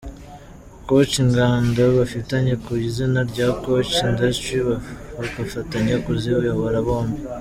Koch, inganda bafitanye ku izina rya Koch Industries bagafatanya kuziyobora bombi.